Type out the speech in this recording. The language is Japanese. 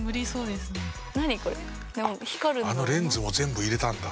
あのレンズを全部入れたんだ。